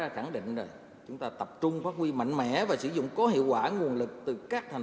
khẳng định chúng ta tập trung phát huy mạnh mẽ và sử dụng có hiệu quả nguồn lực từ các thành